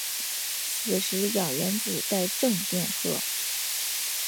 此时氧原子带正电荷。